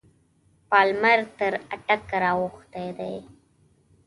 پالمر تر اټک را اوښتی دی.